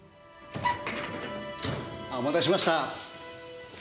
お待たせしました。